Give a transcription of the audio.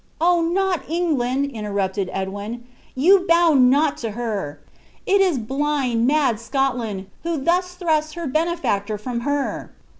"Oh! not England!" interrupted Edwin; "you bow not to her. It is blind, mad Scotland, who thus thrusts her benefactor from her."